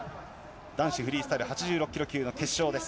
男子フリースタイル８６キロ級決勝です。